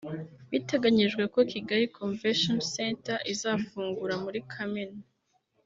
Biteganyijwe ko Kigali Convention Centre izafungura muri Kamena